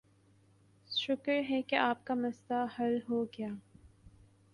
شکر ہے کہ آپ کا مسئلہ حل ہوگیا